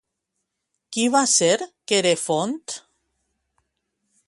Qui va ser Querefont?